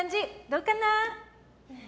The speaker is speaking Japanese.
どうかな？